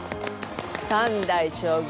三代将軍